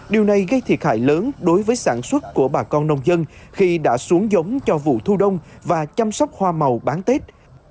điều này gây thiệt hại lớn đối với sản xuất của bà con nông dân khi đã xuống giống cho vụ thu đông và chăm sóc hoa màu bán tết